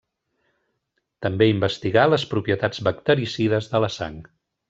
També investigà les propietats bactericides de la sang.